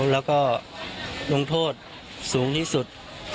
แล้วก็ลงโทษสูงที่สุด